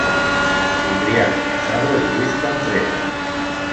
Cipriano Casado y Luis Contreras.